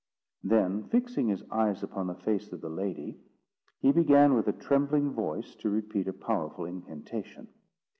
Then, fixing his eyes upon the face of the lady, he began with a trembling voice to repeat a powerful incantation.